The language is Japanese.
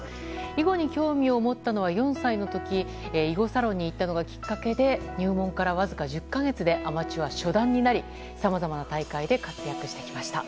囲碁に興味を持ったのは４歳の時囲碁サロンに行ったのがきっかけで入門からわずか１０か月でアマチュア初段になりさまざまな大会で活躍してきました。